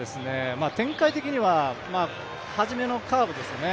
展開的にははじめのカーブですね